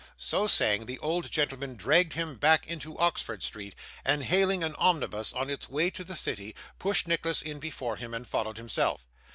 So saying, the old gentleman dragged him back into Oxford Street, and hailing an omnibus on its way to the city, pushed Nicholas in before him, and followed himself.